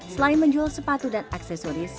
selain menjual sepatu dan aksesoris